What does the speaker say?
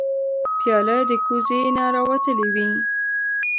پیاله د کوزې نه راوتلې وي.